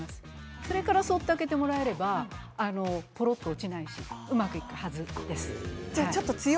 それからそっと開けてもらえばぽろっと落ちないしうまくいくはずです。